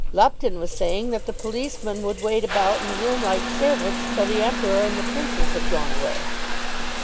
Lupton was saying that the policemen would wait about in the room like servants till the Emperor and the Princes had gone away."